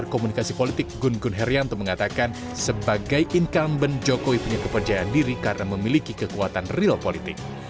komunikasi politik gun gun herianto mengatakan sebagai incumbent jokowi punya kepercayaan diri karena memiliki kekuatan real politik